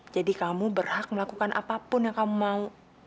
jadi kamu berhak melakukan apapun yang kamu mau